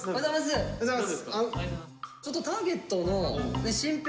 ちょっとターゲットの身辺